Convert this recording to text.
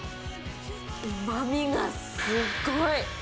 うまみがすごい！